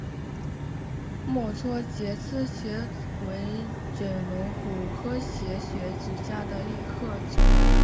墨脱节肢蕨为水龙骨科节肢蕨属下的一个种。